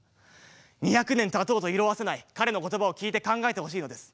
２００年たとうと色あせない彼の言葉を聴いて考えてほしいのです。